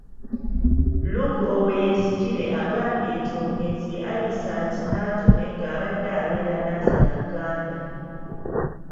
Luke Oweyesigyire agambye nti omugenzi ye Alisat Nantume nga abadde abeera Nansana Gganda.